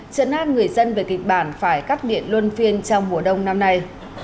chấn an người dân về kịch bản phải cắt điện luân phiên trong mùa đông năm nay